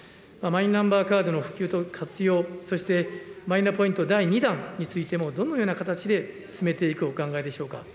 マイナンバーカードの普及と活用、そしてマイナポイント第２弾についてもどのような形で進めていくお考えでしょうか。